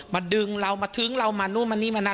ดึงเรามาทึ้งเรามานู่นมานี่มานั่น